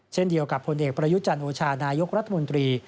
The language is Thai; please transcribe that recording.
เช่นเดียวกับผลเอกประยุจันโอชานายกรัฐมนตรี